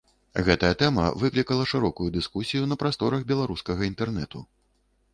Гэтая тэма выклікала шырокую дыскусію на прасторах беларускага інтэрнэту.